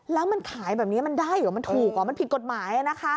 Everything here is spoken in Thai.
แล้วมันขายแบบนี้มันได้เหรอมันถูกอ่ะมันผิดกฎหมายนะคะ